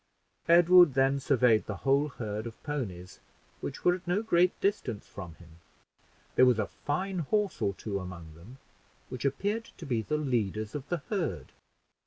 Edward then surveyed the whole herd of ponies, which were at no great distance from him. There was a fine horse or two among them, which appeared to be the leaders of the herd.